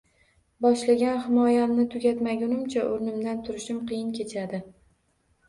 Boshlagan hikoyamni tugatmagunimcha o‘rnimdan turishim qiyin kechadi